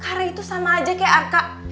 karena itu sama aja kayak arka